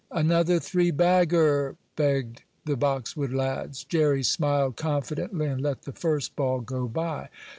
"Another three bagger!" begged the Boxwood lads. Jerry smiled confidently and let the first ball go by.